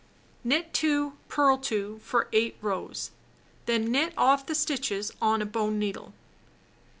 Knit 2, purl 2 for 8 rows, then knit off the stitches on a bone needle.